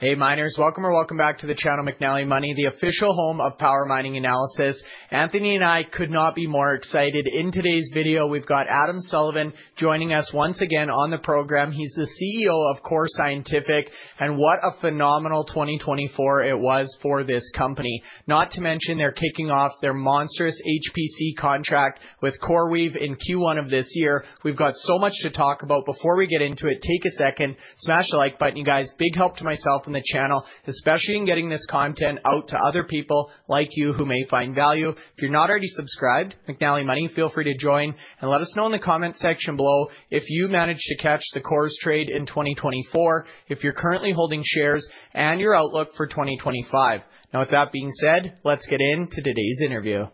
Hey, miners. Welcome or welcome back to the channel, McNallie Money, the official home of Power Mining Analysis. Anthony and I could not be more excited. In today's video, we've got Adam Sullivan joining us once again on the program. He's the CEO of Core Scientific, and what a phenomenal 2024 it was for this company. Not to mention, they're kicking off their monstrous HPC contract with CoreWeave in Q1 of this year. We've got so much to talk about. Before we get into it, take a second, smash the like button, you guys. Big help to myself and the channel, especially in getting this content out to other people like you who may find value. If you're not already subscribed, McNallie Money, feel free to join and let us know in the comment section below if you managed to catch the CORZ trade in 2024, if you're currently holding shares, and your outlook for 2025. Now, with that being said, let's get into today's interview.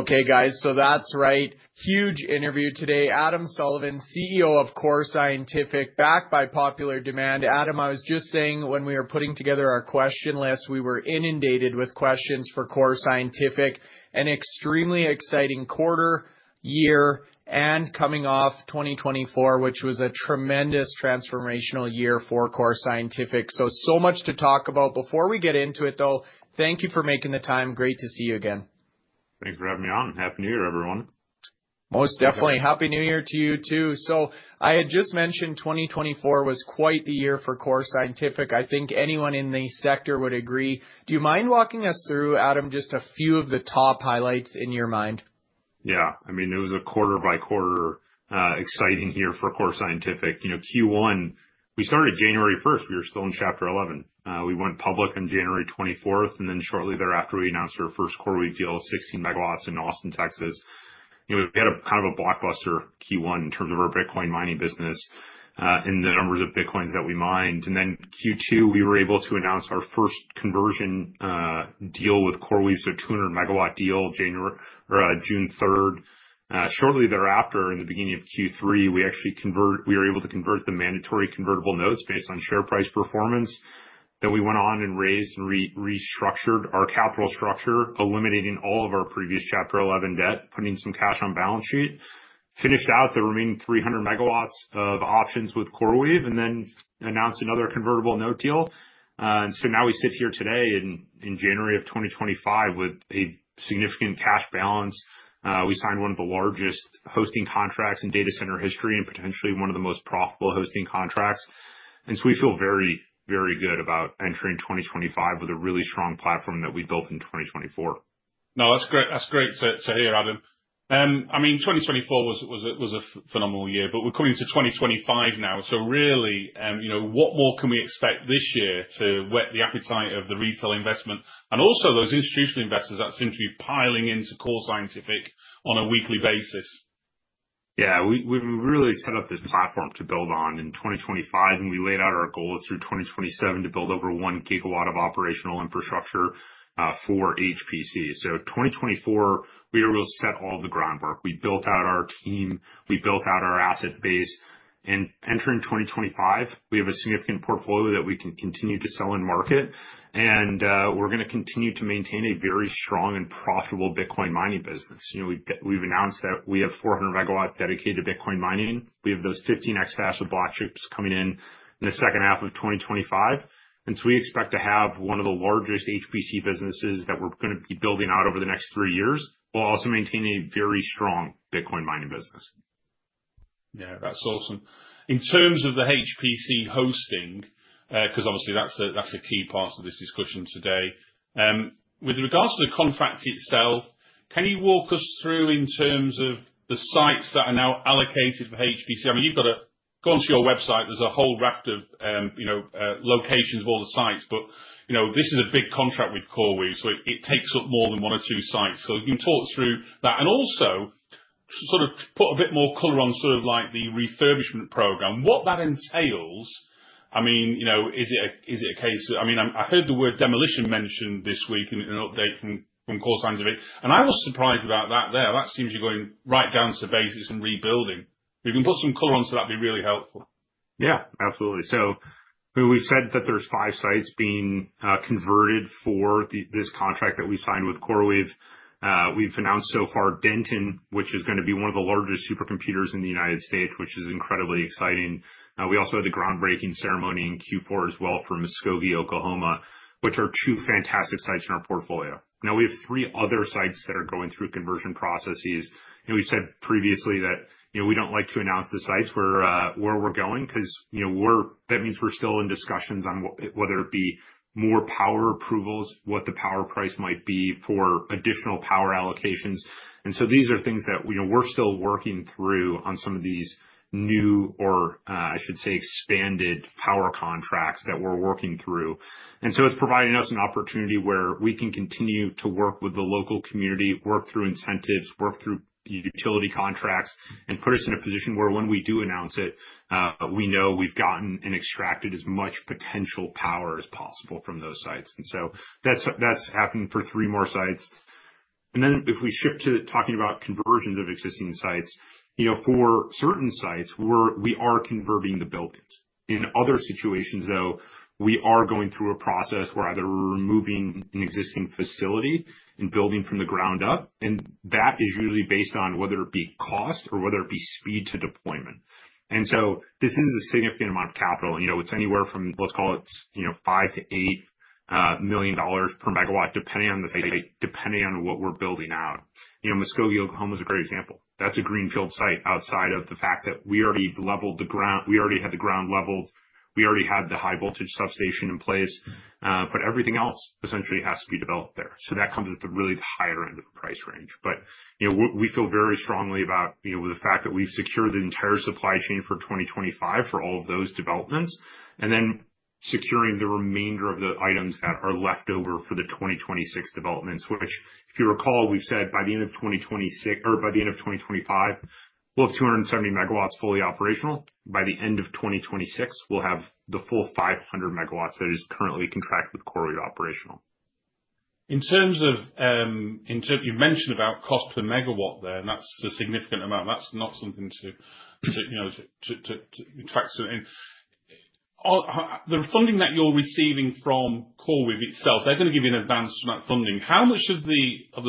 Okay, guys, so that's right. Huge interview today. Adam Sullivan, CEO of Core Scientific, back by popular demand. Adam, I was just saying when we were putting together our question list, we were inundated with questions for Core Scientific, an extremely exciting quarter, year, and coming off 2024, which was a tremendous transformational year for Core Scientific. So, so much to talk about. Before we get into it, though, thank you for making the time. Great to see you again. Thanks for having me on. Happy New Year, everyone. Most definitely. Happy New Year to you too. So, I had just mentioned 2024 was quite the year for Core Scientific. I think anyone in the sector would agree. Do you mind walking us through, Adam, just a few of the top highlights in your mind? Yeah. I mean, it was a quarter-by-quarter exciting year for Core Scientific. You know, Q1, we started January 1st. We were still in Chapter 11. We went public on January 24th, and then shortly thereafter, we announced our first CoreWeave deal of 16 MW in Austin, Texas. You know, we had a kind of a blockbuster Q1 in terms of our Bitcoin mining business and the numbers of Bitcoins that we mined. And then Q2, we were able to announce our first conversion deal with CoreWeave, so a 200 MW deal, January or June 3rd. Shortly thereafter, in the beginning of Q3, we actually converted. We were able to convert the mandatory convertible notes based on share price performance. Then we went on and raised and restructured our capital structure, eliminating all of our previous Chapter 11 debt, putting some cash on the balance sheet, finished out the remaining 300 MW of options with CoreWeave, and then announced another convertible note deal. And so now we sit here today in January of 2025 with a significant cash balance. We signed one of the largest hosting contracts in data center history and potentially one of the most profitable hosting contracts. And so we feel very, very good about entering 2025 with a really strong platform that we built in 2024. No, that's great. That's great to hear, Adam. I mean, 2024 was a phenomenal year, but we're coming to 2025 now. So really, you know, what more can we expect this year to whet the appetite of the retail investment and also those institutional investors that seem to be piling into Core Scientific on a weekly basis? Yeah, we really set up this platform to build on in 2025, and we laid out our goals through 2027 to build over one gigawatt of operational infrastructure for HPC. In 2024, we were able to set all the groundwork. We built out our team, we built out our asset base. Entering 2025, we have a significant portfolio that we can continue to sell and market, and we're going to continue to maintain a very strong and profitable Bitcoin mining business. You know, we've announced that we have 400 MW dedicated to Bitcoin mining. We have those 15 exahash Block chips coming in in the second half of 2025. We expect to have one of the largest HPC businesses that we're going to be building out over the next three years. We'll also maintain a very strong Bitcoin mining business. Yeah, that's awesome. In terms of the HPC hosting, because obviously that's a key part of this discussion today, with regards to the contract itself, can you walk us through in terms of the sites that are now allocated for HPC? I mean, you've got to go onto your website. There's a whole raft of, you know, locations of all the sites, but, you know, this is a big contract with CoreWeave, so it takes up more than one or two sites. So you can talk us through that and also sort of put a bit more color on sort of like the refurbishment program, what that entails. I mean, you know, is it a case? I mean, I heard the word demolition mentioned this week in an update from Core Scientific, and I was surprised about that there. That seems you're going right down to the basics and rebuilding. If you can put some color onto that, it'd be really helpful. Yeah, absolutely. So we've said that there's five sites being converted for this contract that we signed with CoreWeave. We've announced so far Denton, which is going to be one of the largest supercomputers in the United States, which is incredibly exciting. We also had the groundbreaking ceremony in Q4 as well for Muskogee, Oklahoma, which are two fantastic sites in our portfolio. Now, we have three other sites that are going through conversion processes. We've said previously that, you know, we don't like to announce the sites where we're going because, you know, that means we're still in discussions on whether it be more power approvals, what the power price might be for additional power allocations. So these are things that, you know, we're still working through on some of these new or, I should say, expanded power contracts that we're working through. It's providing us an opportunity where we can continue to work with the local community, work through incentives, work through utility contracts, and put us in a position where when we do announce it, we know we've gotten and extracted as much potential power as possible from those sites. That's happening for three more sites. If we shift to talking about conversions of existing sites, you know, for certain sites, we are converting the buildings. In other situations, though, we are going through a process where either we're removing an existing facility and building from the ground up, and that is usually based on whether it be cost or whether it be speed to deployment. This is a significant amount of capital. You know, it's anywhere from, let's call it, you know, $5 million-$8 million per megawatt, depending on the site, depending on what we're building out. You know, Muskogee, Oklahoma is a great example. That's a greenfield site outside of the fact that we already leveled the ground. We already had the ground leveled. We already had the high voltage substation in place, but everything else essentially has to be developed there. So that comes at the really higher end of the price range. But, you know, we feel very strongly about, you know, the fact that we've secured the entire supply chain for 2025 for all of those developments and then securing the remainder of the items that are left over for the 2026 developments, which, if you recall, we've said by the end of 2026 or by the end of 2025, we'll have 270 MW fully operational. By the end of 2026, we'll have the full 500 MW that is currently contracted with CoreWeave operational. In terms of, you've mentioned about cost per megawatt there, and that's a significant amount. That's not something to, you know, to attract. The funding that you're receiving from CoreWeave itself, they're going to give you an advance amount of funding. How much of the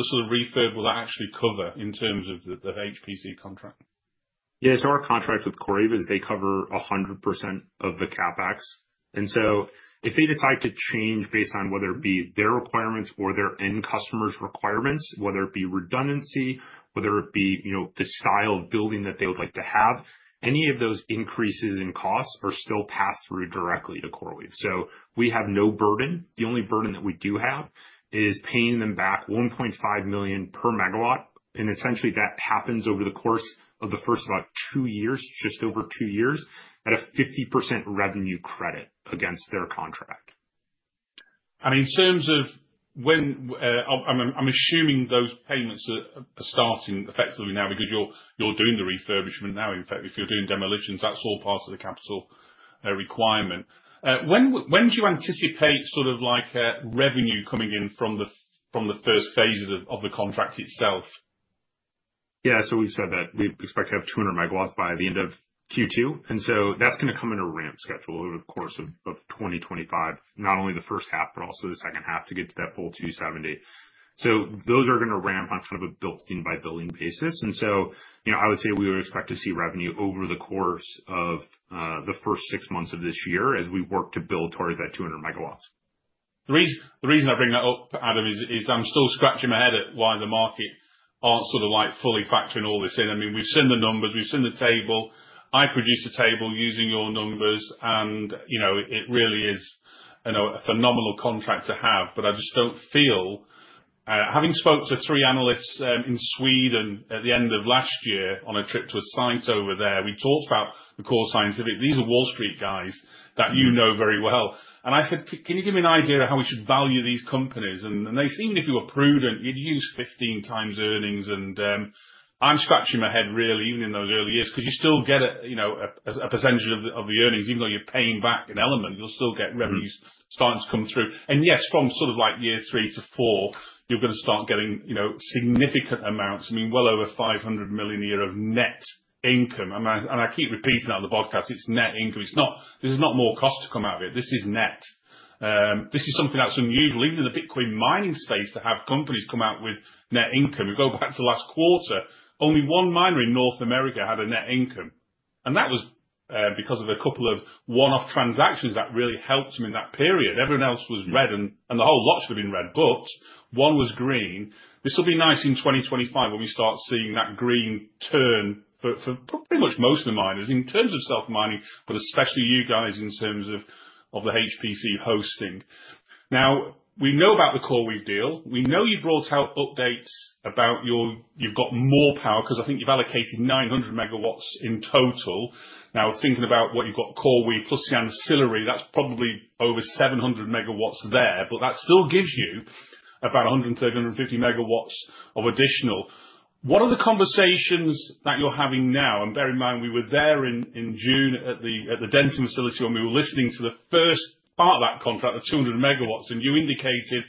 sort of refurb will that actually cover in terms of the HPC contract? Yeah, so our contract with CoreWeave is they cover 100% of the CapEx. And so if they decide to change based on whether it be their requirements or their end customer's requirements, whether it be redundancy, whether it be, you know, the style of building that they would like to have, any of those increases in costs are still passed through directly to CoreWeave. So we have no burden. The only burden that we do have is paying them back $1.5 million per megawatt. And essentially that happens over the course of the first about two years, just over two years at a 50% revenue credit against their contract. In terms of when, I'm assuming those payments are starting effectively now because you're doing the refurbishment now. In fact, if you're doing demolitions, that's all part of the capital requirement. When do you anticipate sort of like revenue coming in from the first phases of the contract itself? Yeah, so we've said that we expect to have 200 MW by the end of Q2. And so that's going to come in a ramp schedule over the course of 2025, not only the first half, but also the second half to get to that full 270. So those are going to ramp on kind of a building by building basis. And so, you know, I would say we would expect to see revenue over the course of the first six months of this year as we work to build towards that 200 MW. The reason I bring that up, Adam, is I'm still scratching my head at why the market aren't sort of like fully factoring all this in. I mean, we've seen the numbers, we've seen the table. I produced a table using your numbers, and, you know, it really is, you know, a phenomenal contract to have, but I just don't feel, having spoke to three analysts in Sweden at the end of last year on a trip to a site over there, we talked about the Core Scientific. These are Wall Street guys that you know very well. And I said, can you give me an idea of how we should value these companies? And they said, even if you were prudent, you'd use 15 times earnings. I'm scratching my head really, even in those early years, because you still get a, you know, a percentage of the earnings, even though you're paying back an element, you'll still get revenues starting to come through. And yes, from sort of like year three to four, you're going to start getting, you know, significant amounts. I mean, well over $500 million a year of net income. And I keep repeating on the podcast, it's net income. It's not, this is not more cost to come out of it. This is net. This is something that's unusual, even in the Bitcoin mining space, to have companies come out with net income. We go back to last quarter, only one miner in North America had a net income. And that was because of a couple of one-off transactions that really helped them in that period. Everyone else was red and the whole lot should have been red, but one was green. This will be nice in 2025 when we start seeing that green turn for pretty much most of the miners in terms of self-mining, but especially you guys in terms of the HPC hosting. Now, we know about the CoreWeave deal. We know you brought out updates about your, you've got more power because I think you've allocated 900 MW in total. Now, thinking about what you've got CoreWeave plus the ancillary, that's probably over 700 MW there, but that still gives you about 130 MW-150 MW of additional. What are the conversations that you're having now? And bear in mind, we were there in June at the Denton facility when we were listening to the first part of that contract of 200 MW, and you indicated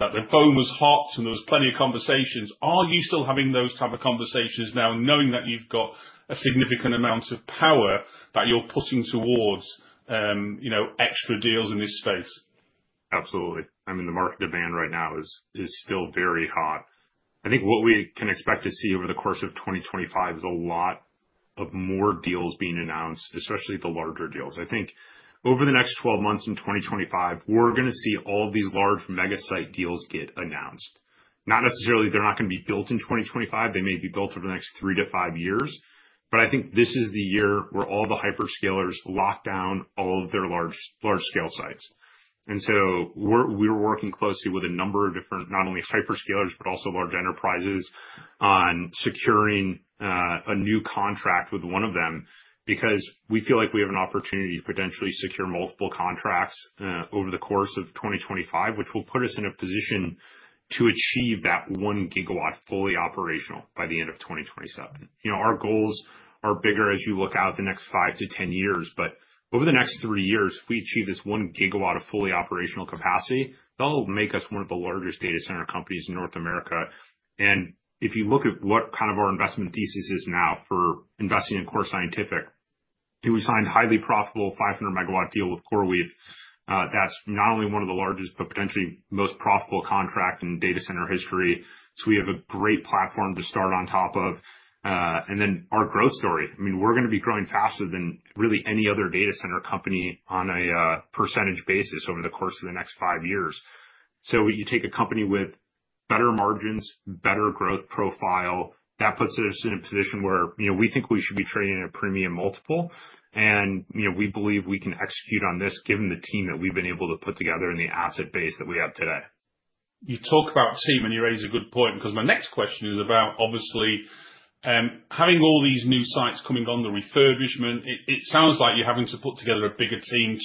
that the phone was hot and there was plenty of conversations. Are you still having those type of conversations now, knowing that you've got a significant amount of power that you're putting towards, you know, extra deals in this space? Absolutely. I mean, the market demand right now is still very hot. I think what we can expect to see over the course of 2025 is a lot of more deals being announced, especially the larger deals. I think over the next 12 months in 2025, we're going to see all of these large mega site deals get announced. Not necessarily, they're not going to be built in 2025. They may be built over the next three to five years, but I think this is the year where all the hyperscalers lock down all of their large scale sites. We're working closely with a number of different not only hyperscalers, but also large enterprises on securing a new contract with one of them because we feel like we have an opportunity to potentially secure multiple contracts over the course of 2025, which will put us in a position to achieve that one gigawatt fully operational by the end of 2027. You know, our goals are bigger as you look out the next five to 10 years, but over the next three years, if we achieve this one gigawatt of fully operational capacity, that'll make us one of the largest data center companies in North America. If you look at what kind of our investment thesis is now for investing in Core Scientific, we signed a highly profitable 500 MW deal with CoreWeave. That's not only one of the largest, but potentially most profitable contracts in data center history. So we have a great platform to start on top of. And then our growth story, I mean, we're going to be growing faster than really any other data center company on a percentage basis over the course of the next five years. So you take a company with better margins, better growth profile, that puts us in a position where, you know, we think we should be trading at a premium multiple. And, you know, we believe we can execute on this given the team that we've been able to put together and the asset base that we have today. You talk about team and you raise a good point because my next question is about obviously having all these new sites coming on the refurbishment. It sounds like you're having to put together a bigger team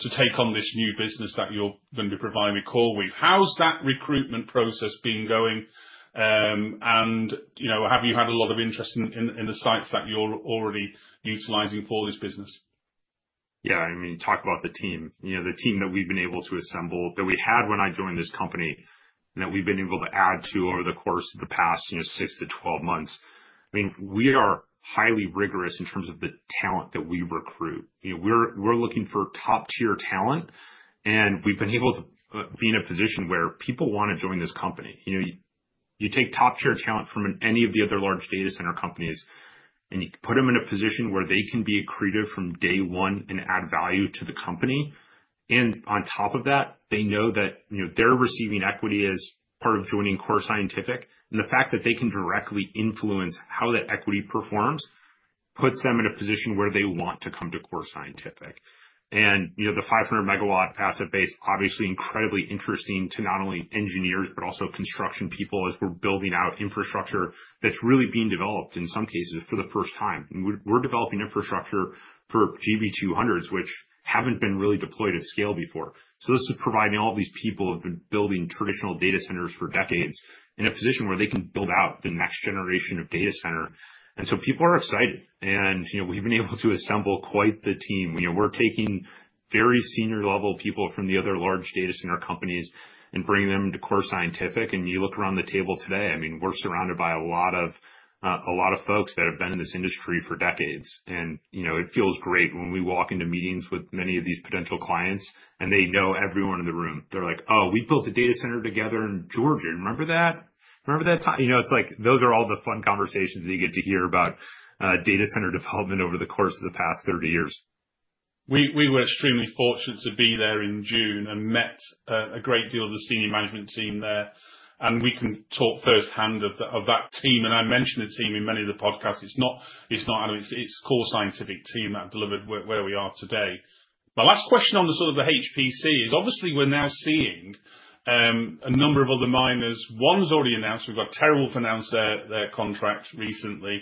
to take on this new business that you're going to be providing with CoreWeave. How's that recruitment process been going? And, you know, have you had a lot of interest in the sites that you're already utilizing for this business? Yeah, I mean, talk about the team. You know, the team that we've been able to assemble that we had when I joined this company that we've been able to add to over the course of the past, you know, six to twelve months. I mean, we are highly rigorous in terms of the talent that we recruit. You know, we're looking for top-tier talent and we've been able to be in a position where people want to join this company. You know, you take top-tier talent from any of the other large data center companies and you put them in a position where they can be accretive from day one and add value to the company. And on top of that, they know that, you know, they're receiving equity as part of joining Core Scientific. The fact that they can directly influence how that equity performs puts them in a position where they want to come to Core Scientific. You know, the 500 MW asset base, obviously incredibly interesting to not only engineers, but also construction people as we're building out infrastructure that's really being developed in some cases for the first time. We're developing infrastructure for GB200s, which haven't been really deployed at scale before. This is providing all these people who have been building traditional data centers for decades in a position where they can build out the next generation of data center. People are excited. You know, we've been able to assemble quite the team. You know, we're taking very senior level people from the other large data center companies and bringing them to Core Scientific. You look around the table today. I mean, we're surrounded by a lot of folks that have been in this industry for decades. You know, it feels great when we walk into meetings with many of these potential clients and they know everyone in the room. They're like, "Oh, we built a data center together in Georgia. Remember that? Remember that time?" You know, it's like those are all the fun conversations that you get to hear about data center development over the course of the past 30 years. We were extremely fortunate to be there in June and met a great deal of the senior management team there. And we can talk firsthand of that team. And I mentioned the team in many of the podcasts. It's the Core Scientific team that delivered where we are today. My last question on the sort of the HPC is obviously we're now seeing a number of other miners. One's already announced. We've got TeraWulf to announce their contract recently.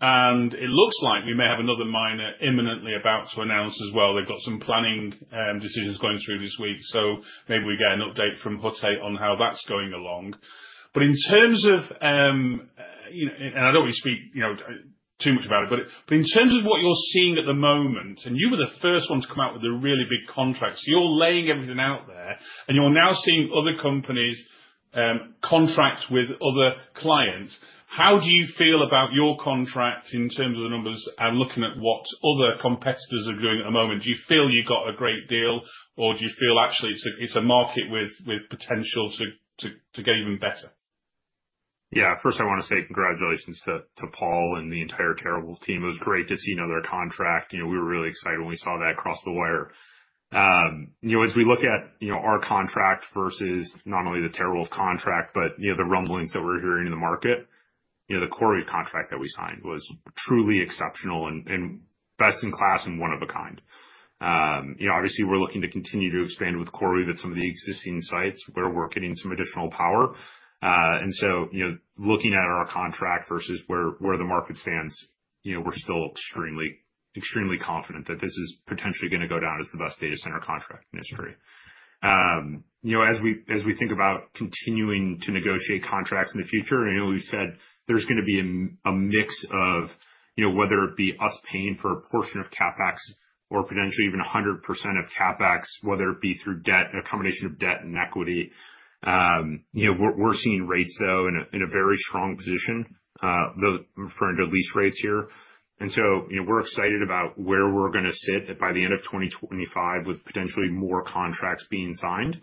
And it looks like we may have another miner imminently about to announce as well. They've got some planning decisions going through this week. So maybe we get an update from Hut 8 on how that's going along. But in terms of, you know, and I don't want to speak, you know, too much about it, but in terms of what you're seeing at the moment, and you were the first one to come out with the really big contracts, you're laying everything out there and you're now seeing other companies contract with other clients. How do you feel about your contract in terms of the numbers and looking at what other competitors are doing at the moment? Do you feel you've got a great deal or do you feel actually it's a market with potential to get even better? Yeah, first I want to say congratulations to Paul and the entire TeraWulf team. It was great to see another contract. You know, we were really excited when we saw that across the wire. You know, as we look at, you know, our contract versus not only the TeraWulf contract, but, you know, the rumblings that we're hearing in the market, you know, the CoreWeave contract that we signed was truly exceptional and best in class and one of a kind. You know, obviously we're looking to continue to expand with CoreWeave at some of the existing sites where we're getting some additional power. And so, you know, looking at our contract versus where the market stands, you know, we're still extremely, extremely confident that this is potentially going to go down as the best data center contract in history. You know, as we think about continuing to negotiate contracts in the future, you know, we've said there's going to be a mix of, you know, whether it be us paying for a portion of CapEx or potentially even 100% of CapEx, whether it be through debt, a combination of debt and equity. You know, we're seeing rates though in a very strong position, referring to lease rates here, and so, you know, we're excited about where we're going to sit by the end of 2025 with potentially more contracts being signed,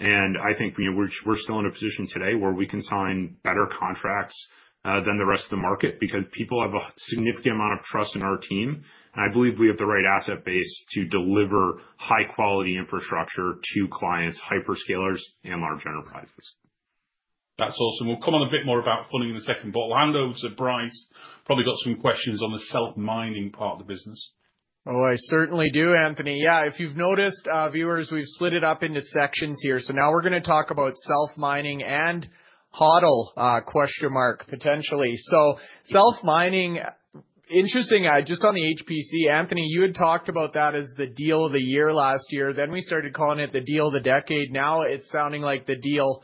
and I think, you know, we're still in a position today where we can sign better contracts than the rest of the market because people have a significant amount of trust in our team, and I believe we have the right asset base to deliver high quality infrastructure to clients, hyperscalers and large enterprises. That's awesome. We'll touch on a bit more about funding in the second half. I know it's Bryce, probably got some questions on the self-mining part of the business. Oh, I certainly do, Anthony. Yeah, if you've noticed, viewers, we've split it up into sections here. So now we're going to talk about self-mining and HODL, question mark, potentially. So self-mining, interesting. Just on the HPC, Anthony, you had talked about that as the deal of the year last year. Then we started calling it the deal of the decade. Now it's sounding like the deal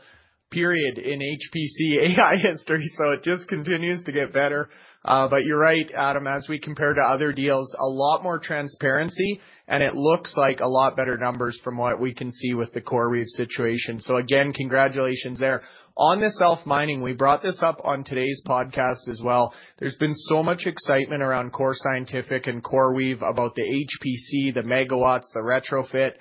period in HPC AI history. So it just continues to get better. But you're right, Adam, as we compare to other deals, a lot more transparency and it looks like a lot better numbers from what we can see with the CoreWeave situation. So again, congratulations there. On the self-mining, we brought this up on today's podcast as well. There's been so much excitement around Core Scientific and CoreWeave about the HPC, the megawatts, the retrofit.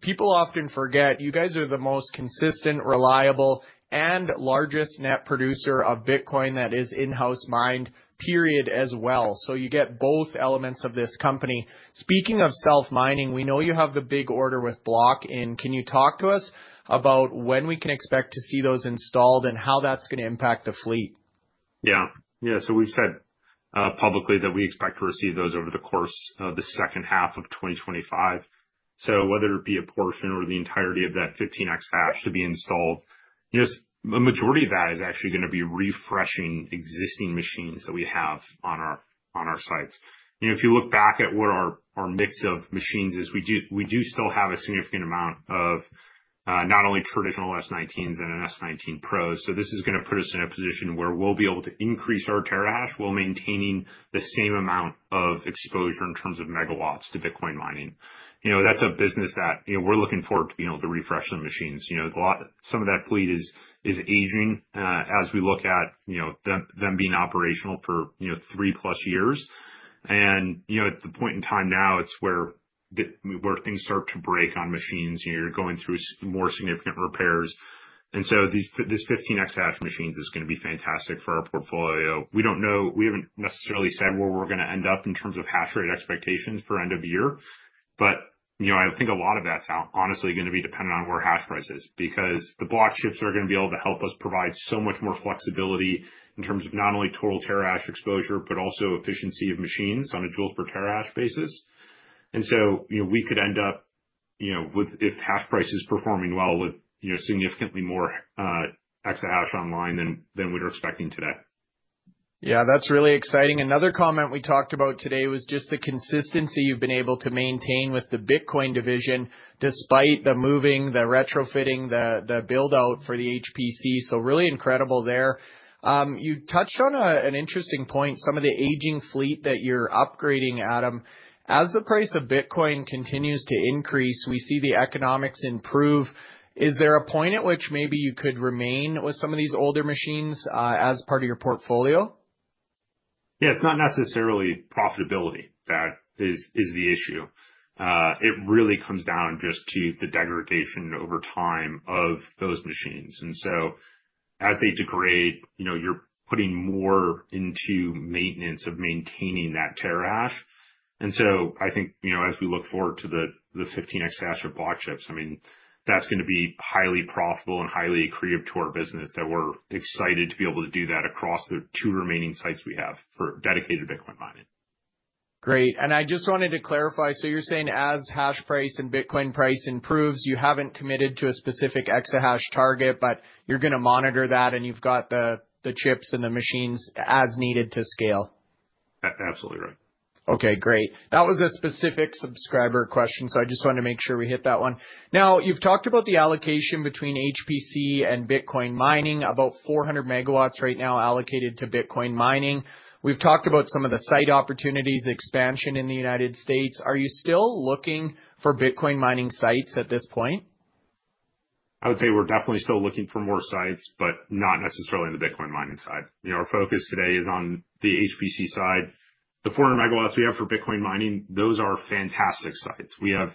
People often forget you guys are the most consistent, reliable, and largest net producer of Bitcoin that is in-house mined, period, as well. So you get both elements of this company. Speaking of self-mining, we know you have the big order with Block, Inc. Can you talk to us about when we can expect to see those installed and how that's going to impact the fleet? Yeah, yeah. So we've said publicly that we expect to receive those over the course of the second half of 2025. So whether it be a portion or the entirety of that 15 exahash to be installed, you know, a majority of that is actually going to be refreshing existing machines that we have on our sites. You know, if you look back at what our mix of machines is, we do still have a significant amount of not only traditional S19s and an S19 Pro. So this is going to put us in a position where we'll be able to increase our terahash while maintaining the same amount of exposure in terms of megawatts to Bitcoin mining. You know, that's a business that, you know, we're looking forward to being able to refresh the machines. You know, some of that fleet is aging as we look at, you know, them being operational for, you know, three plus years. And, you know, at the point in time now, it's where things start to break on machines. You know, you're going through more significant repairs. And so this 15 exahash machines is going to be fantastic for our portfolio. We don't know, we haven't necessarily said where we're going to end up in terms of hash rate expectations for end of year. But, you know, I think a lot of that's honestly going to be dependent on where hash price is because the Block chips are going to be able to help us provide so much more flexibility in terms of not only total terahash exposure, but also efficiency of machines on a joule per terahash basis. And so, you know, we could end up, you know, with, if hash price is performing well with, you know, significantly more exahash online than we were expecting today. Yeah, that's really exciting. Another comment we talked about today was just the consistency you've been able to maintain with the Bitcoin division despite the moving, the retrofitting, the buildout for the HPC. So really incredible there. You touched on an interesting point, some of the aging fleet that you're upgrading, Adam. As the price of Bitcoin continues to increase, we see the economics improve. Is there a point at which maybe you could remain with some of these older machines as part of your portfolio? Yeah, it's not necessarily profitability that is the issue. It really comes down just to the degradation over time of those machines. And so as they degrade, you know, you're putting more into maintenance of maintaining that terahash. And so I think, you know, as we look forward to the 15 exahash of Block chips, I mean, that's going to be highly profitable and highly accretive to our business that we're excited to be able to do that across the two remaining sites we have for dedicated Bitcoin mining. Great. And I just wanted to clarify. So you're saying as hash price and Bitcoin price improves, you haven't committed to a specific exahash target, but you're going to monitor that and you've got the chips and the machines as needed to scale. Absolutely right. Okay, great. That was a specific subscriber question. So I just wanted to make sure we hit that one. Now you've talked about the allocation between HPC and Bitcoin mining, about 400 MW right now allocated to Bitcoin mining. We've talked about some of the site opportunities expansion in the United States. Are you still looking for Bitcoin mining sites at this point? I would say we're definitely still looking for more sites, but not necessarily on the Bitcoin mining side. You know, our focus today is on the HPC side. The 400 MW we have for Bitcoin mining, those are fantastic sites. We have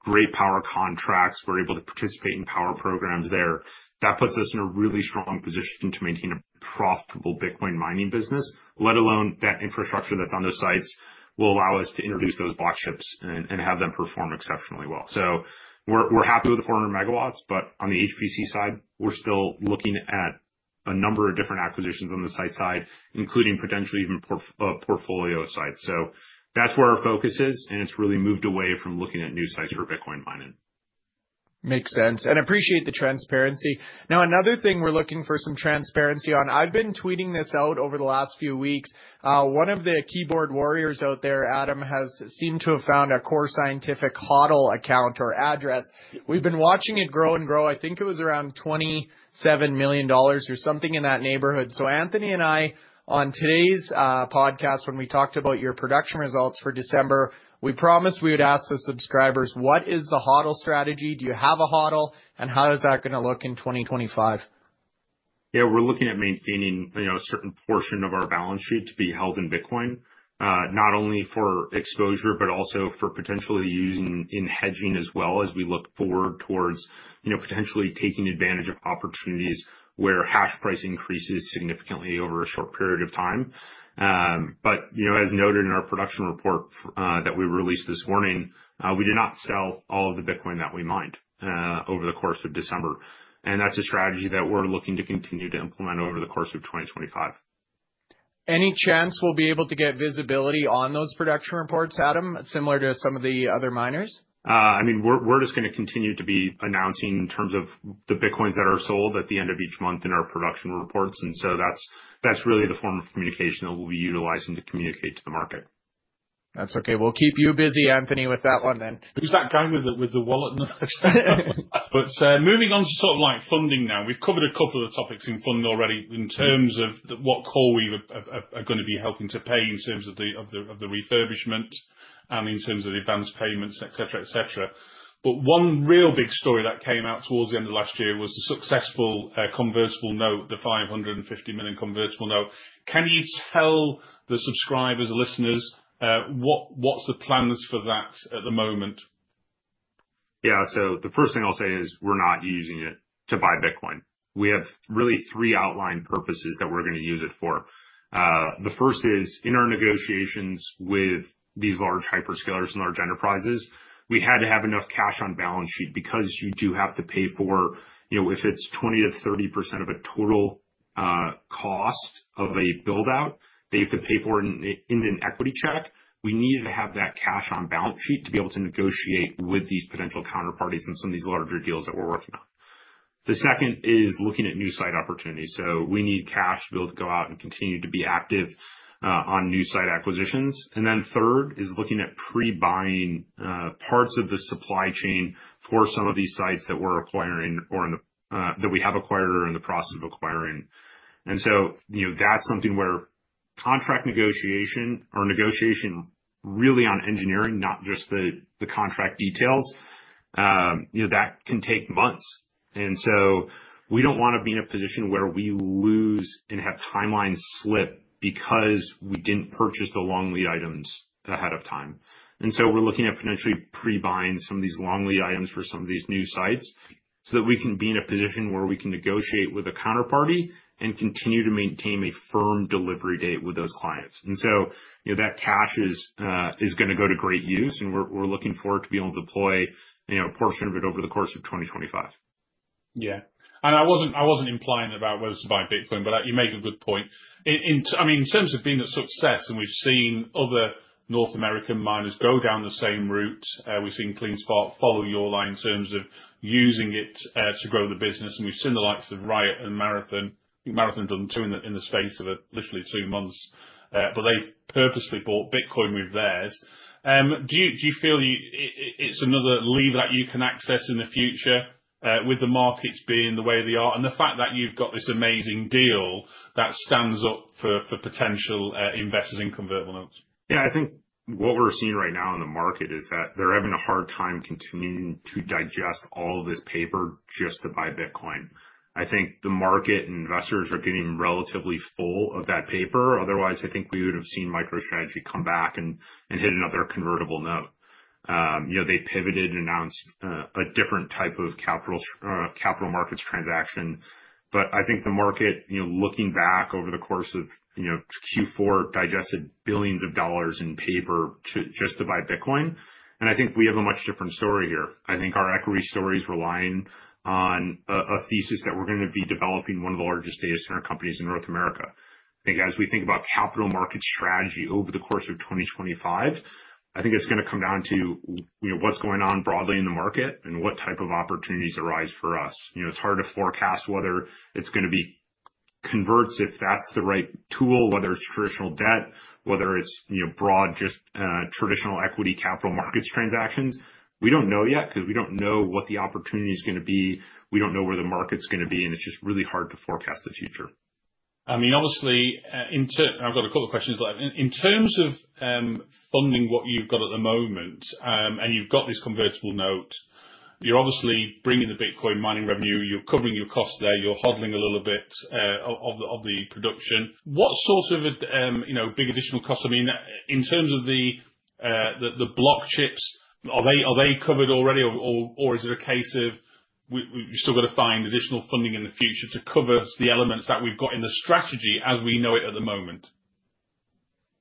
great power contracts. We're able to participate in power programs there. That puts us in a really strong position to maintain a profitable Bitcoin mining business, let alone that infrastructure that's on those sites will allow us to introduce those Block chips and have them perform exceptionally well. So we're happy with the 400 MW, but on the HPC side, we're still looking at a number of different acquisitions on the site side, including potentially even portfolio sites. So that's where our focus is, and it's really moved away from looking at new sites for Bitcoin mining. Makes sense. And appreciate the transparency. Now, another thing we're looking for some transparency on. I've been tweeting this out over the last few weeks. One of the keyboard warriors out there, Adam, has seemed to have found a Core Scientific HODL account or address. We've been watching it grow and grow. I think it was around $27 million or something in that neighborhood. So Anthony and I on today's podcast, when we talked about your production results for December, we promised we would ask the subscribers, what is the HODL strategy? Do you have a HODL? And how is that going to look in 2025? Yeah, we're looking at maintaining, you know, a certain portion of our balance sheet to be held in Bitcoin, not only for exposure, but also for potentially using in hedging as well as we look forward towards, you know, potentially taking advantage of opportunities where hash price increases significantly over a short period of time. But, you know, as noted in our production report that we released this morning, we did not sell all of the Bitcoin that we mined over the course of December. And that's a strategy that we're looking to continue to implement over the course of 2025. Any chance we'll be able to get visibility on those production reports, Adam, similar to some of the other miners? I mean, we're just going to continue to be announcing in terms of the Bitcoins that are sold at the end of each month in our production reports. And so that's really the form of communication that we'll be utilizing to communicate to the market. That's okay. We'll keep you busy, Anthony, with that one then. Who's that guy with the wallet in the back? But moving on to sort of like funding now, we've covered a couple of topics in funding already in terms of what CoreWeave are going to be helping to pay in terms of the refurbishment and in terms of the advanced payments, et cetera, et cetera. But one real big story that came out towards the end of last year was the successful convertible note, the $550 million convertible note. Can you tell the subscribers, listeners, what's the plans for that at the moment? Yeah, so the first thing I'll say is we're not using it to buy Bitcoin. We have really three outlined purposes that we're going to use it for. The first is in our negotiations with these large hyperscalers and large enterprises, we had to have enough cash on balance sheet because you do have to pay for, you know, if it's 20%-30% of a total cost of a buildout, they have to pay for it in an equity check. We needed to have that cash on balance sheet to be able to negotiate with these potential counterparties and some of these larger deals that we're working on. The second is looking at new site opportunities. So we need cash to be able to go out and continue to be active on new site acquisitions. And then third is looking at pre-buying parts of the supply chain for some of these sites that we're acquiring or that we have acquired or in the process of acquiring. And so, you know, that's something where contract negotiation or negotiation really on engineering, not just the contract details, you know, that can take months. And so we don't want to be in a position where we lose and have timelines slip because we didn't purchase the long lead items ahead of time. And so we're looking at potentially pre-buying some of these long lead items for some of these new sites so that we can be in a position where we can negotiate with a counterparty and continue to maintain a firm delivery date with those clients. And so, you know, that cash is going to great use. We're looking forward to being able to deploy, you know, a portion of it over the course of 2025. Yeah. And I wasn't implying about whether to buy Bitcoin, but you make a good point. I mean, in terms of being a success, and we've seen other North American miners go down the same route. We've seen CleanSpark follow your line in terms of using it to grow the business. And we've seen the likes of Riot and Marathon. Marathon done two in the space of literally two months, but they purposely bought Bitcoin with theirs. Do you feel it's another lever that you can access in the future with the markets being the way they are and the fact that you've got this amazing deal that stands up for potential investors in convertible notes? Yeah, I think what we're seeing right now in the market is that they're having a hard time continuing to digest all of this paper just to buy Bitcoin. I think the market and investors are getting relatively full of that paper. Otherwise, I think we would have seen MicroStrategy come back and hit another convertible note. You know, they pivoted and announced a different type of capital markets transaction. But I think the market, you know, looking back over the course of, you know, Q4, digested billions of dollars in paper just to buy Bitcoin, and I think we have a much different story here. I think our equity story is relying on a thesis that we're going to be developing one of the largest data center companies in North America. I think as we think about capital market strategy over the course of 2025, I think it's going to come down to, you know, what's going on broadly in the market and what type of opportunities arise for us. You know, it's hard to forecast whether it's going to be converts if that's the right tool, whether it's traditional debt, whether it's, you know, broad just traditional equity capital markets transactions. We don't know yet because we don't know what the opportunity is going to be. We don't know where the market's going to be. And it's just really hard to forecast the future. I mean, obviously, I've got a couple of questions. In terms of funding what you've got at the moment, and you've got this convertible note, you're obviously bringing the Bitcoin mining revenue. You're covering your costs there. You're hodling a little bit of the production. What sorts of, you know, big additional costs? I mean, in terms of the Block chips, are they covered already or is it a case of we've still got to find additional funding in the future to cover the elements that we've got in the strategy as we know it at the moment?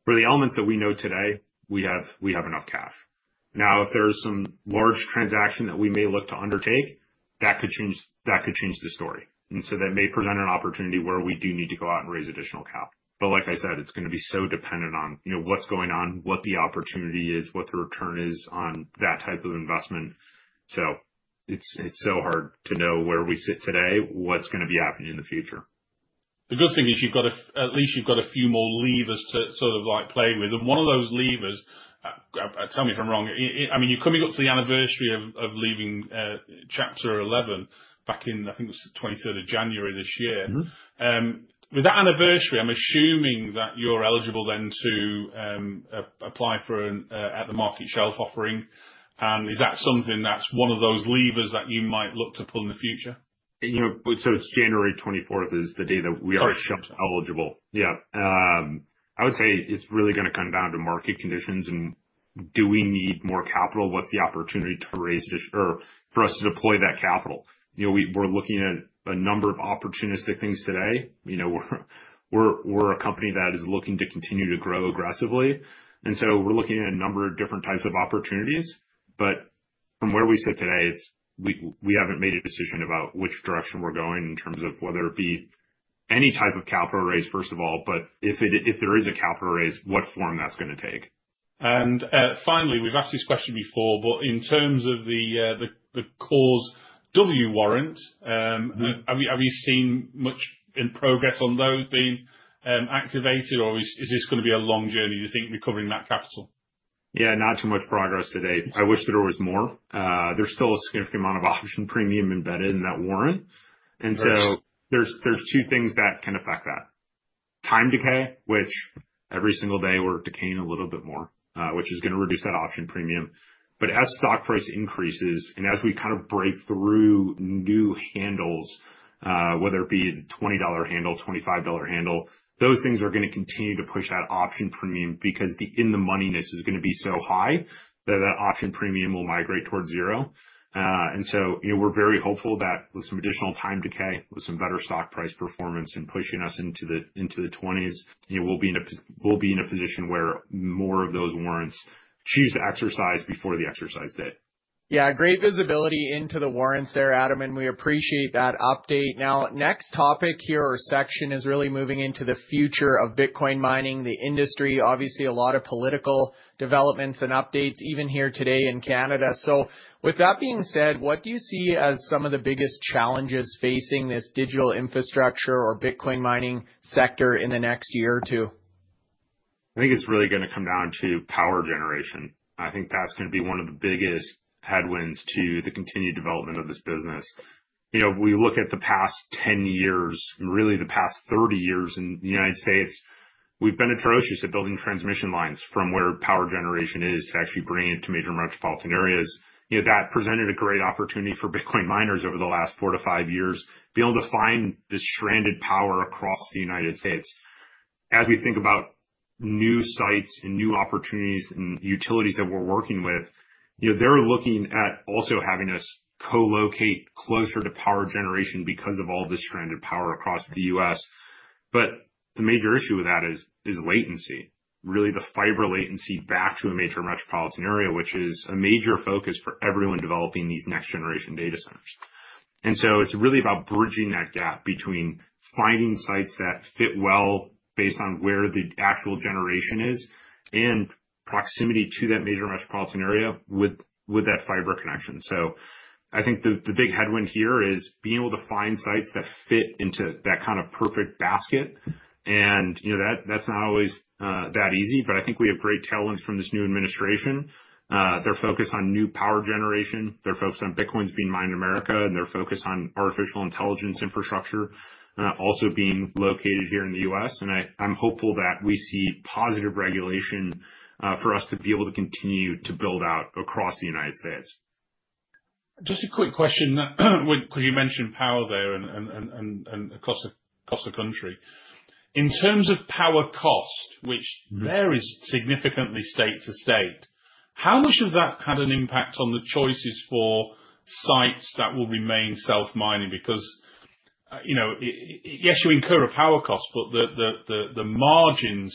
For the elements that we know today, we have enough cash. Now, if there's some large transaction that we may look to undertake, that could change the story, and so that may present an opportunity where we do need to go out and raise additional cash, but like I said, it's going to be so dependent on, you know, what's going on, what the opportunity is, what the return is on that type of investment, so it's so hard to know where we sit today, what's going to be happening in the future. The good thing is you've got at least a few more levers to sort of like play with. And one of those levers, tell me if I'm wrong, I mean, you've come to the anniversary of leaving Chapter 11 back in, I think it was 23rd of January this year. With that anniversary, I'm assuming that you're eligible then to apply for an at-the-market shelf offering. And is that something that's one of those levers that you might look to pull in the future? You know, so it's January 24th is the day that we are shelf eligible. Yeah. I would say it's really going to come down to market conditions and do we need more capital. What's the opportunity to raise or for us to deploy that capital? You know, we're looking at a number of opportunistic things today. You know, we're a company that is looking to continue to grow aggressively, and so we're looking at a number of different types of opportunities. From where we sit today, we haven't made a decision about which direction we're going in terms of whether it be any type of capital raise, first of all, but if there is a capital raise, what form that's going to take. And finally, we've asked this question before, but in terms of the CORZ.W warrant, have you seen much progress on those being activated or is this going to be a long journey to think recovering that capital? Yeah, not too much progress today. I wish there was more. There's still a significant amount of option premium embedded in that warrant. And so there's two things that can affect that: time decay, which every single day we're decaying a little bit more, which is going to reduce that option premium. But as stock price increases and as we kind of break through new handles, whether it be the $20 handle, $25 handle, those things are going to continue to push that option premium because the in-the-moneyness is going to be so high that that option premium will migrate towards zero. And so, you know, we're very hopeful that with some additional time decay, with some better stock price performance and pushing us into the 20s, you know, we'll be in a position where more of those warrants choose to exercise before the exercise date. Yeah, great visibility into the warrants there, Adam, and we appreciate that update. Now, next topic here or section is really moving into the future of Bitcoin mining, the industry, obviously a lot of political developments and updates even here today in Canada, with that being said, what do you see as some of the biggest challenges facing this digital infrastructure or Bitcoin mining sector in the next year or two? I think it's really going to come down to power generation. I think that's going to be one of the biggest headwinds to the continued development of this business. You know, we look at the past 10 years, really the past 30 years in the United States, we've been atrocious at building transmission lines from where power generation is to actually bring it to major metropolitan areas. You know, that presented a great opportunity for Bitcoin miners over the last four to five years, being able to find this stranded power across the United States. As we think about new sites and new opportunities and utilities that we're working with, you know, they're looking at also having us co-locate closer to power generation because of all this stranded power across the U.S. But the major issue with that is latency, really the fiber latency back to a major metropolitan area, which is a major focus for everyone developing these next generation data centers. And so it's really about bridging that gap between finding sites that fit well based on where the actual generation is and proximity to that major metropolitan area with that fiber connection. So I think the big headwind here is being able to find sites that fit into that kind of perfect basket. And, you know, that's not always that easy, but I think we have great talents from this new administration. They're focused on new power generation. They're focused on Bitcoin being mined in America and their focus on artificial intelligence infrastructure also being located here in the U.S. I'm hopeful that we see positive regulation for us to be able to continue to build out across the United States. Just a quick question, because you mentioned power there and across the country. In terms of power cost, which varies significantly state to state, how much of that had an impact on the choices for sites that will remain self-mining? Because, you know, yes, you incur a power cost, but the margins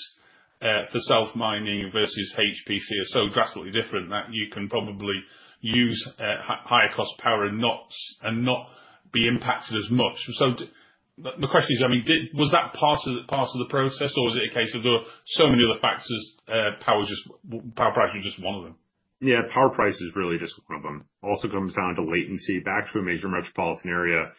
for self-mining versus HPC are so drastically different that you can probably use higher cost power and not be impacted as much. So the question is, I mean, was that part of the process or was it a case of there were so many other factors, power price was just one of them? Yeah, power price is really just one of them. Also comes down to latency back to a major metropolitan area.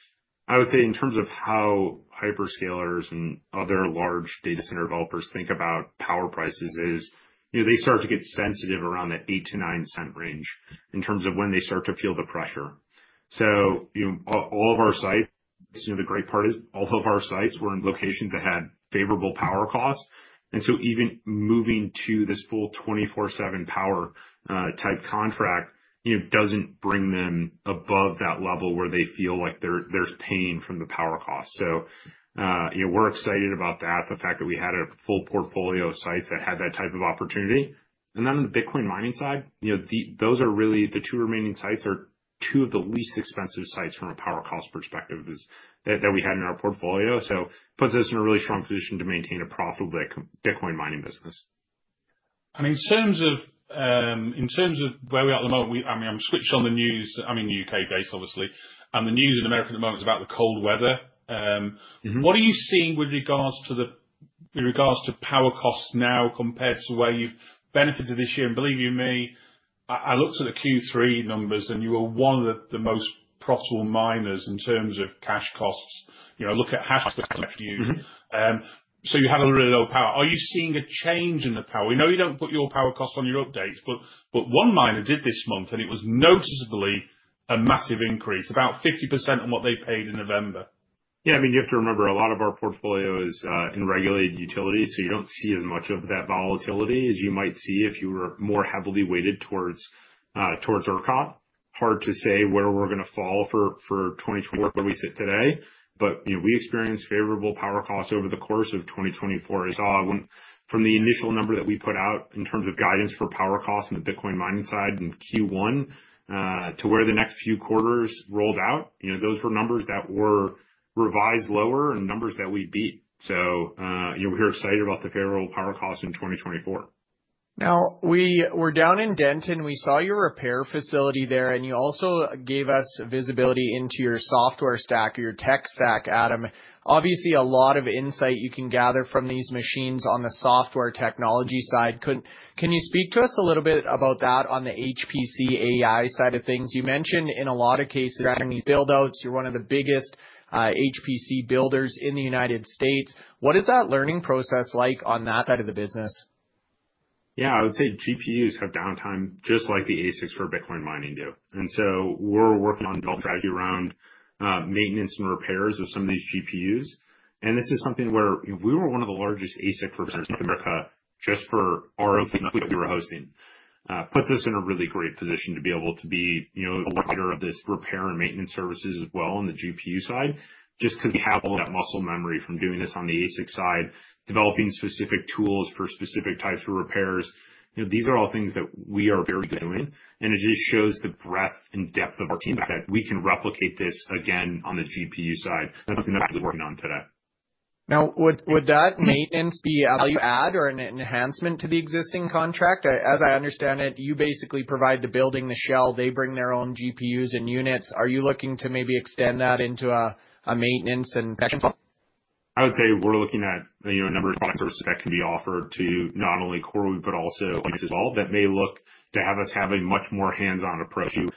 I would say in terms of how hyperscalers and other large data center developers think about power prices is, you know, they start to get sensitive around the eight- to nine-cent range in terms of when they start to feel the pressure. So, you know, all of our sites, you know, the great part is all of our sites were in locations that had favorable power costs. And so even moving to this full 24/7 power type contract, you know, doesn't bring them above that level where they feel like there's pain from the power cost. So, you know, we're excited about that, the fact that we had a full portfolio of sites that had that type of opportunity. And then, on the Bitcoin mining side, you know, those are really the two remaining sites are two of the least expensive sites from a power cost perspective that we had in our portfolio. So, it puts us in a really strong position to maintain a profitable Bitcoin mining business. And in terms of where we are at the moment, I mean, I switched on the news, I mean, I'm based in the UK, obviously, and the news in America at the moment is about the cold weather. What are you seeing with regards to the power costs now compared to where you've benefited this year? And believe you me, I looked at the Q3 numbers and you were one of the most profitable miners in terms of cash costs. You know, I look at Hut 8. So you have a really low power. Are you seeing a change in the power? We know you don't put your power costs on your updates, but one miner did this month and it was noticeably a massive increase, about 50% on what they paid in November. Yeah, I mean, you have to remember a lot of our portfolio is in regulated utilities. So you don't see as much of that volatility as you might see if you were more heavily weighted towards ERCOT. Hard to say where we're going to fall for 2024 where we sit today. But, you know, we experienced favorable power costs over the course of 2024. So from the initial number that we put out in terms of guidance for power costs on the Bitcoin mining side in Q1 to where the next few quarters rolled out, you know, those were numbers that were revised lower and numbers that we beat. So, you know, we're excited about the favorable power costs in 2024. Now, we were down in Denton, we saw your repair facility there, and you also gave us visibility into your software stack, your tech stack, Adam. Obviously, a lot of insight you can gather from these machines on the software technology side. Can you speak to us a little bit about that on the HPC AI side of things? You mentioned in a lot of cases building buildouts, you're one of the biggest HPC builders in the United States. What is that learning process like on that side of the business? Yeah, I would say GPUs have downtime just like the ASICs for Bitcoin mining do. And so we're working on an overall strategy around maintenance and repairs of some of these GPUs. And this is something where we were one of the largest ASIC hosting firms in America. It puts us in a really great position to be able to be, you know, a leader of this repair and maintenance services as well on the GPU side, just because we have all that muscle memory from doing this on the ASIC side, developing specific tools for specific types of repairs. You know, these are all things that we are very good at doing. And it just shows the breadth and depth of our team that we can replicate this again on the GPU side. That's the one we're working on today. Now, would that maintenance be a value add or an enhancement to the existing contract? As I understand it, you basically provide the building, the shell, they bring their own GPUs and units. Are you looking to maybe extend that into a maintenance and connection? I would say we're looking at, you know, a number of products that can be offered to not only CoreWeave but also that may look to have us have a much more hands-on approach to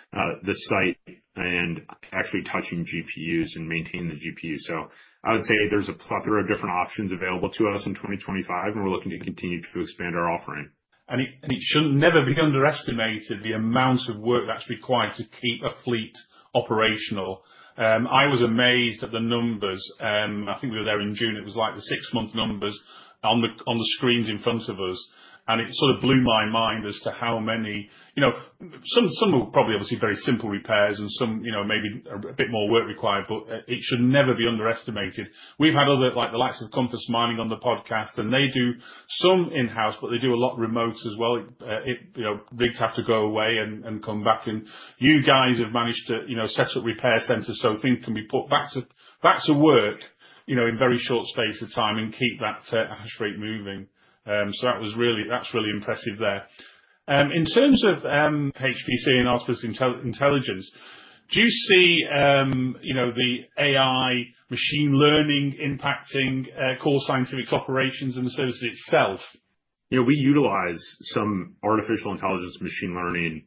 the site and actually touching GPUs and maintaining the GPUs, so I would say there's a plethora of different options available to us in 2025, and we're looking to continue to expand our offering. It should never be underestimated the amount of work that's required to keep a fleet operational. I was amazed at the numbers. I think we were there in June. It was like the six-month numbers on the screens in front of us. It sort of blew my mind as to how many, you know, some will probably obviously be very simple repairs and some, you know, maybe a bit more work required, but it should never be underestimated. We've had other, like the likes of Compass Mining on the podcast, and they do some in-house, but they do a lot remote as well. You know, rigs have to go away and come back. You guys have managed to, you know, set up repair centers so things can be put back to work, you know, in very short space of time and keep that hash rate moving. That was really. That's really impressive there. In terms of HPC and artificial intelligence, do you see, you know, the AI machine learning impacting Core Scientific operations and the services itself? You know, we utilize some artificial intelligence machine learning.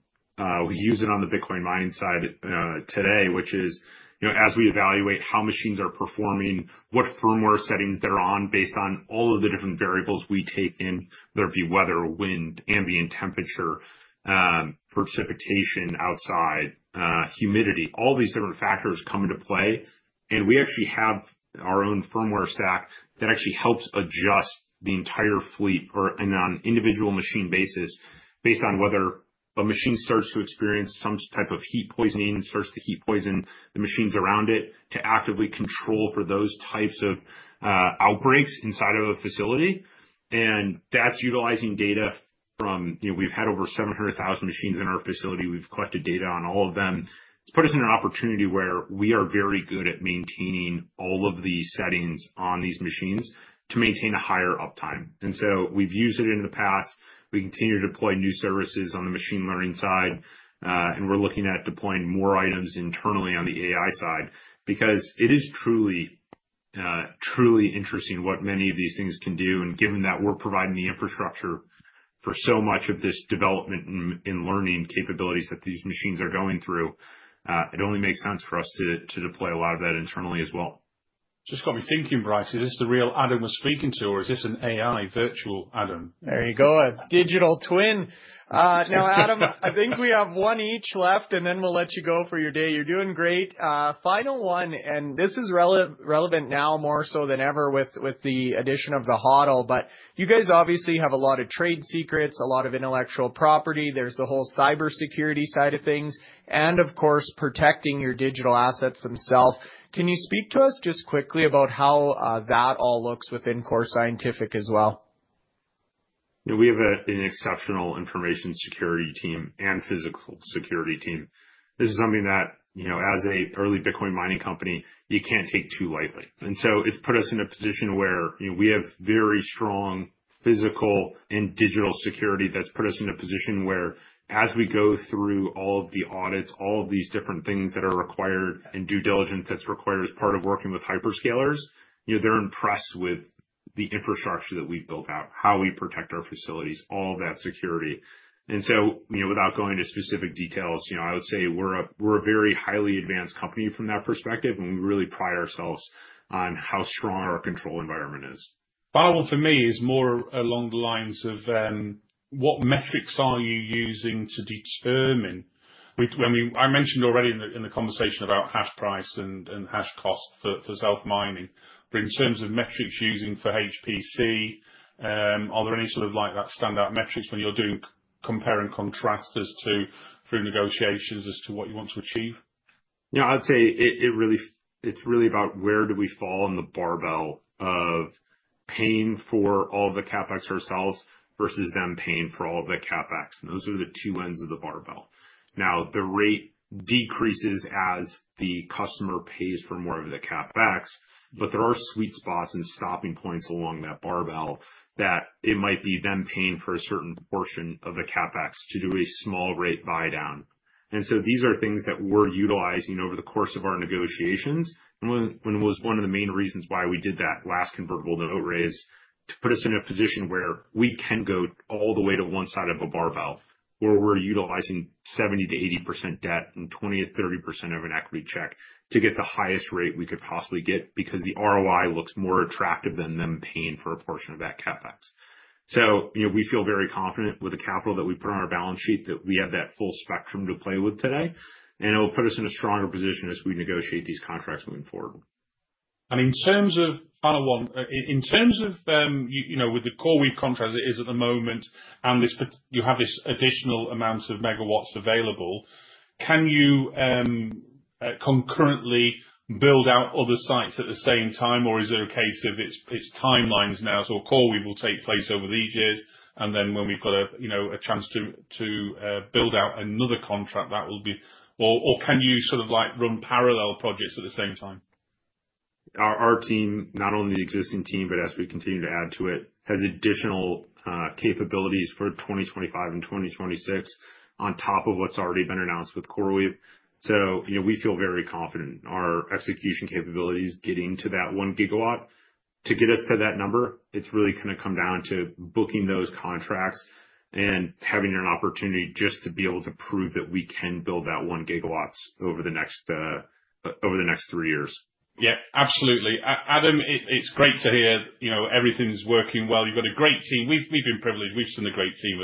We use it on the Bitcoin mining side today, which is, you know, as we evaluate how machines are performing, what firmware settings they're on based on all of the different variables we take in, whether it be weather, wind, ambient temperature, precipitation outside, humidity, all these different factors come into play. And we actually have our own firmware stack that actually helps adjust the entire fleet or on an individual machine basis based on whether a machine starts to experience some type of heat poisoning and starts to heat poison the machines around it to actively control for those types of outbreaks inside of a facility. And that's utilizing data from, you know, we've had over 700,000 machines in our facility. We've collected data on all of them. It's put us in an opportunity where we are very good at maintaining all of the settings on these machines to maintain a higher uptime, and so we've used it in the past. We continue to deploy new services on the machine learning side, and we're looking at deploying more items internally on the AI side because it is truly, truly interesting what many of these things can do. Given that we're providing the infrastructure for so much of this development and learning capabilities that these machines are going through, it only makes sense for us to deploy a lot of that internally as well. Just got me thinking, Bryce, is this the real Adam we're speaking to, or is this an AI virtual Adam? There you go. Digital twin. Now, Adam, I think we have one each left, and then we'll let you go for your day. You're doing great. Final one, and this is relevant now more so than ever with the addition of the HODL, but you guys obviously have a lot of trade secrets, a lot of intellectual property. There's the whole cybersecurity side of things, and of course, protecting your digital assets themselves. Can you speak to us just quickly about how that all looks within Core Scientific as well? You know, we have an exceptional information security team and physical security team. This is something that, you know, as an early Bitcoin mining company, you can't take too lightly. And so it's put us in a position where, you know, we have very strong physical and digital security that's put us in a position where, as we go through all of the audits, all of these different things that are required and due diligence that's required as part of working with hyperscalers, you know, they're impressed with the infrastructure that we've built out, how we protect our facilities, all of that security. And so, you know, without going into specific details, you know, I would say we're a very highly advanced company from that perspective, and we really pride ourselves on how strong our control environment is. Final one for me is more along the lines of what metrics are you using to determine when we, I mentioned already in the conversation about hash price and hash cost for self-mining, but in terms of metrics using for HPC, are there any sort of like that standout metrics when you're doing compare and contrast as to through negotiations as to what you want to achieve? Yeah, I'd say it really, it's really about where do we fall in the barbell of paying for all of the CapEx ourselves versus them paying for all of the CapEx. And those are the two ends of the barbell. Now, the rate decreases as the customer pays for more of the CapEx, but there are sweet spots and stopping points along that barbell that it might be them paying for a certain portion of the CapEx to do a small rate buy down. And so these are things that we're utilizing over the course of our negotiations. And one of the main reasons why we did that last convertible note raise to put us in a position where we can go all the way to one side of a barbell where we're utilizing 70%-80% debt and 20%-30% of an equity check to get the highest rate we could possibly get because the ROI looks more attractive than them paying for a portion of that CapEx. So, you know, we feel very confident with the capital that we put on our balance sheet that we have that full spectrum to play with today, and it will put us in a stronger position as we negotiate these contracts moving forward. In terms of final one, in terms of, you know, with the CoreWeave contract that is at the moment and you have this additional amount of megawatts available, can you concurrently build out other sites at the same time, or is it a case of it's timelines now? CoreWeave will take place over these years, and then when we've got a, you know, a chance to build out another contract, that will be, or can you sort of like run parallel projects at the same time? Our team, not only the existing team, but as we continue to add to it, has additional capabilities for 2025 and 2026 on top of what's already been announced with CoreWeave. So, you know, we feel very confident in our execution capabilities getting to that one gigawatt. To get us to that number, it's really going to come down to booking those contracts and having an opportunity just to be able to prove that we can build that one gigawatt over the next three years. Yeah, absolutely. Adam, it's great to hear, you know, everything's working well. You've got a great team. We've been privileged. We've seen the great team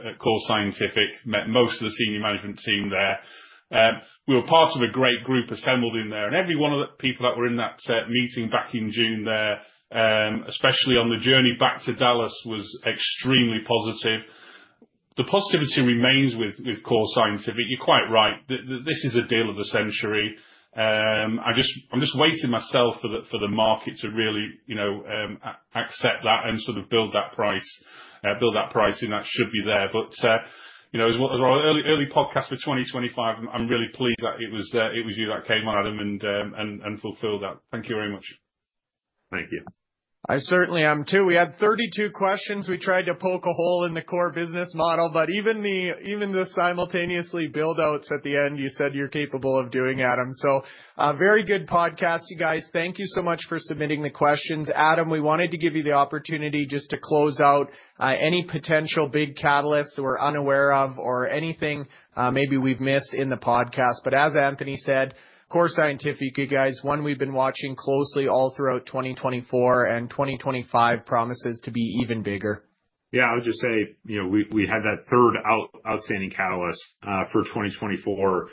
at Core Scientific, met most of the senior management team there. We were part of a great group assembled in there and every one of the people that were in that meeting back in June there, especially on the journey back to Dallas, was extremely positive. The positivity remains with Core Scientific. You're quite right. This is a deal of the century. I'm just waiting myself for the market to really, you know, accept that and sort of build that price, build that pricing that should be there, but you know, as our early podcast for 2025, I'm really pleased that it was you that came on, Adam, and fulfilled that. Thank you very much. Thank you. I certainly am too. We had 32 questions. We tried to poke a hole in the core business model, but even the simultaneously buildouts at the end, you said you're capable of doing, Adam. So very good podcast, you guys. Thank you so much for submitting the questions. Adam, we wanted to give you the opportunity just to close out any potential big catalysts we're unaware of or anything maybe we've missed in the podcast. But as Anthony said, Core Scientific, you guys, one we've been watching closely all throughout 2024, and 2025 promises to be even bigger. Yeah, I would just say, you know, we had that third outstanding catalyst for 2024.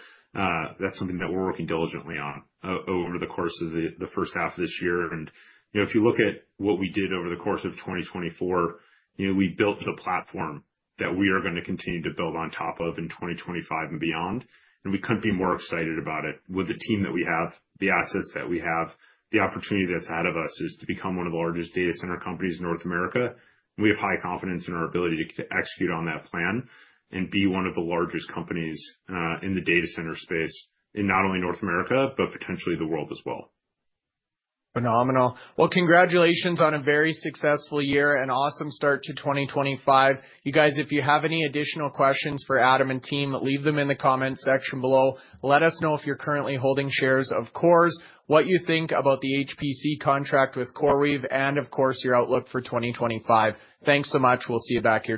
That's something that we're working diligently on over the course of the first half of this year. And, you know, if you look at what we did over the course of 2024, you know, we built the platform that we are going to continue to build on top of in 2025 and beyond. And we couldn't be more excited about it with the team that we have, the assets that we have, the opportunity that's ahead of us is to become one of the largest data center companies in North America. We have high confidence in our ability to execute on that plan and be one of the largest companies in the data center space in not only North America, but potentially the world as well. Phenomenal. Well, congratulations on a very successful year and awesome start to 2025. You guys, if you have any additional questions for Adam and team, leave them in the comment section below. Let us know if you're currently holding shares of CORZ, what you think about the HPC contract with CoreWeave, and of course, your outlook for 2025. Thanks so much. We'll see you back here.